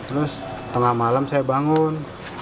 terus tengah malam saya bangun